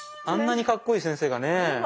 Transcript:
あんなにカッコいい先生がねぇ